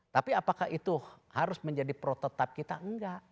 tapi apakah itu harus menjadi protetap kita enggak